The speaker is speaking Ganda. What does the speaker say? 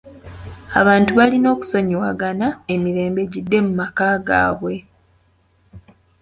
Abantu balina okusonyiwagana emirembe gidde mu maka gaabwe.